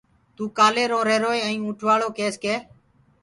توٚ ڪآلي روهيروئي ائيٚنٚ اُنٚٺ وآݪو ڪيس ڪي